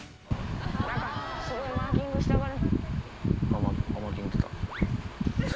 なんか、すごいマーキングしたがる。